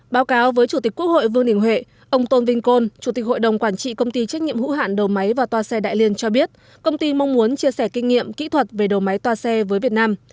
báo cáo với chủ tịch quốc hội vương đình huệ ông tôn vinh côn chủ tịch hội đồng quản trị công ty trách nhiệm hữu hạn đầu máy và toà xe đại liên cho biết công ty mong muốn chia sẻ kinh nghiệm kỹ thuật về đầu máy toa xe với việt nam